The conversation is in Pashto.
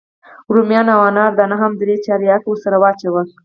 رومیان او انار دانه هم درې چارکه ورسره واچوه.